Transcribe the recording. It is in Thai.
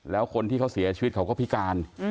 แล้วคนที่เขาเสียชีวิตเขาก็พิการ